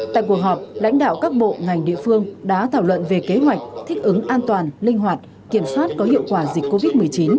tại cuộc họp lãnh đạo các bộ ngành địa phương đã thảo luận về kế hoạch thích ứng an toàn linh hoạt kiểm soát có hiệu quả dịch covid một mươi chín